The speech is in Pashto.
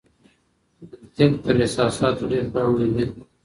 منطق تر احساساتو ډېر پياوړی دی.